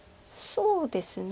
そうですね。